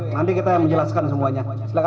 nanti kita menjelaskan semuanya